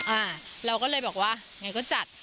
อ่าเราก็เลยบอกว่าไงก็จัด